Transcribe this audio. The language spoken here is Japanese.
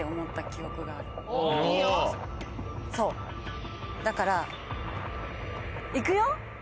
そうだからいくよ